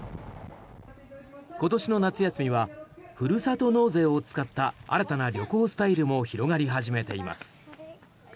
今年の夏休みはふるさと納税を使った新たな旅行スタイルも広がり始めています。